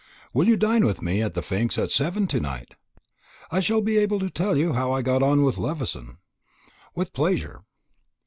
Will you dine with me at the Pnyx at seven to night? I shall be able to tell you how I got on with Levison." "With pleasure."